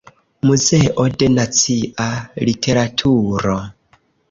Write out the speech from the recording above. Muzeo de Nacia Literaturo.